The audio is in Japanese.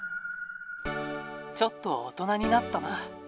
ちょっと大人になったな。